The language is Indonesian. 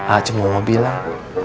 ah cuma mau bilang